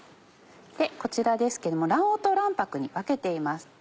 こちらですけども卵黄と卵白に分けています。